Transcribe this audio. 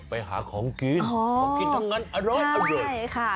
ไปหาของกินของกินทั้งงั้นอร่อย